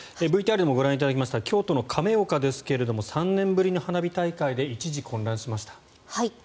ＶＴＲでもご覧いただきました京都の亀岡ですが３年ぶりの花火大会で一時混乱しました。